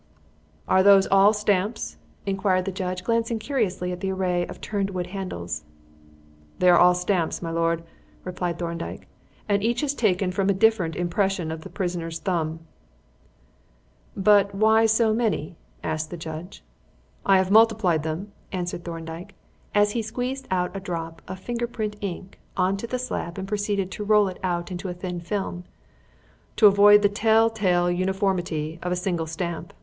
"Are those all stamps?" inquired the judge, glancing curiously at the array of turned wood handles. "They are all stamps, my lord," replied Thorndyke, "and each is taken from a different impression of the prisoner's thumb." "But why so many?" asked the judge. "I have multiplied them," answered Thorndyke, as he squeezed out a drop of finger print ink on to the slab and proceeded to roll it out into a thin film, "to avoid the tell tale uniformity of a single stamp.